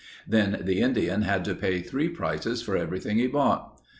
Then the Indian had to pay three prices for everything he bought.